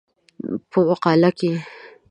په مقاله کې